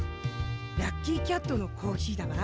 ラッキーキャットのコーヒーだわ。